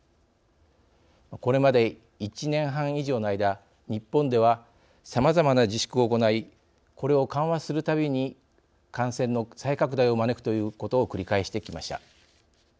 これまで１年半以上の間日本ではさまざまな自粛を行いこれを緩和するたびに感染の再拡大を招くということを繰り返してきました。